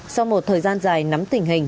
sau một thời gian dài nắm tình hình